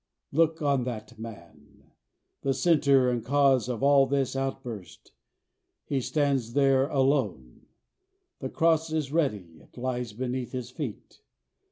Look on that man the centre and cause of all this outburst! He stands there alone. The cross is ready. It lies beneath his feet.